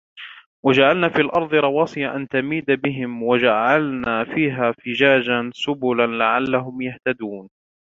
وَجَعَلْنَا فِي الْأَرْضِ رَوَاسِيَ أَنْ تَمِيدَ بِهِمْ وَجَعَلْنَا فِيهَا فِجَاجًا سُبُلًا لَعَلَّهُمْ يَهْتَدُونَ